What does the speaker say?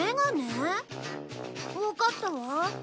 わかったわ。